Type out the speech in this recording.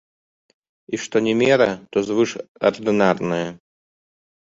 І што не мера, то звышардынарная.